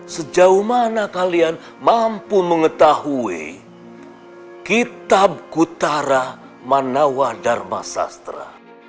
sejauh mana kalian mampu mengetahui kitab kutara manawa dharma sastra